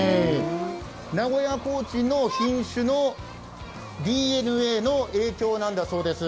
名古屋コーチンの品種のＤＮＡの影響なんだそうです。